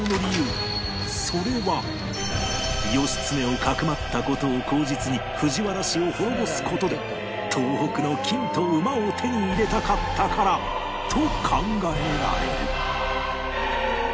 それは義経を匿った事を口実に藤原氏を滅ぼす事で東北の金と馬を手に入れたかったからと考えられる